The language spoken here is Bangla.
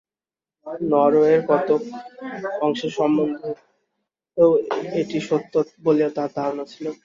নরওয়ের কতক অংশের সম্বন্ধেও এটি সত্য বলিয়া তাঁহার ধারণা ছিল।